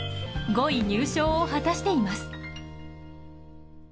５位入賞を果たしています。